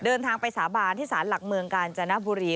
เดินทางไปสาบานที่สารหลักเมืองกาญจนบุรี